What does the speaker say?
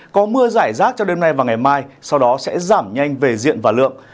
có mưa giải rác cho đêm nay và ngày mai sau đó sẽ giảm nhanh về diện và lượng